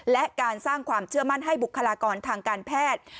และการสร้างความเชื่อมั่นให้บุคลากรทางการแพทย์